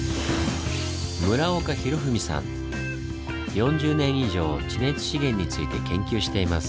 ４０年以上地熱資源について研究しています。